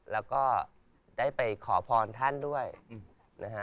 แล้วก็ได้ไปขอพรท่านด้วยนะฮะ